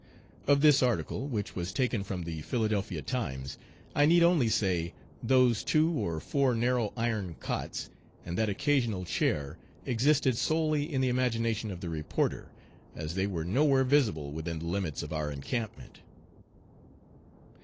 Of this article, which was taken from the Philadelphia Times, I need only say, those "two or four narrow iron cots" and that "occasional chair" existed solely in the imagination of the reporter, as they were nowhere visible within the limits of our encampment.